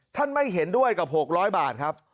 ไม่เห็นด้วยกับ๖๐๐บาทครับ